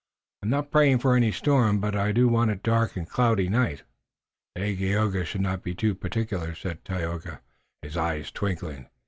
I'm not praying for any storm, but I do want a dark and cloudy night." "Dagaeoga should not be too particular," said Tayoga, his eyes twinkling.